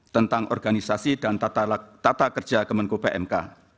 tentang organisasi dan tata kerja kemenko pmk